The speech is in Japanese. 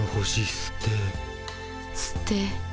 すて。